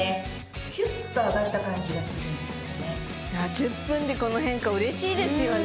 １０分でこの変化嬉しいですよね